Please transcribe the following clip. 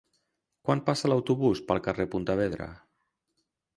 Quan passa l'autobús pel carrer Pontevedra?